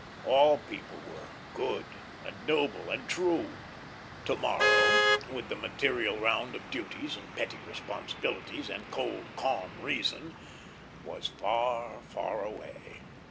All people were good and noble and true. To morrow, with the material round of duties and petty responsibilities and cold, calm reason, was far, far away.